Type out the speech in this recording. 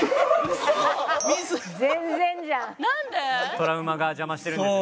トラウマが邪魔してるんですね。